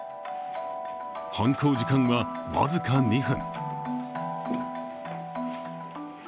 犯行時間は僅か２分。